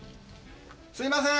すいません！